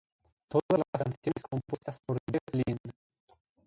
Todas las canciones compuestas por Jeff Lynne.